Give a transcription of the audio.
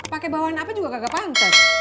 pake bawaan apa juga kagak pantas